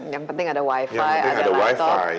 yang penting ada wifi ada laptop